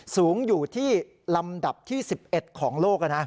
สูงอยู่ที่ลำดับที่๑๑ของโลก